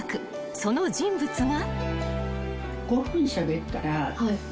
［その人物が］